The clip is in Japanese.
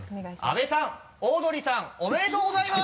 阿部さんオードリーさんおめでとうございます！